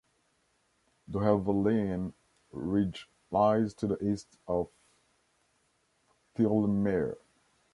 The Helvellyn ridge lies to the east of Thirlmere.